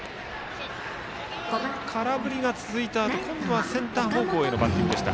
空振りが続いたあと今度はセンター方向へのバッティングでした。